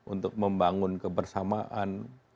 untuk membangun kebersamaan